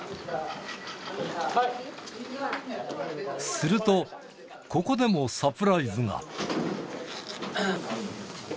すると、ここでもサプライズが。